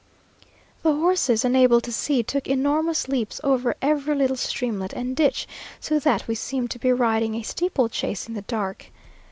The horses, unable to see, took enormous leaps over every little streamlet and ditch, so that we seemed to be riding a steeple chase in the dark.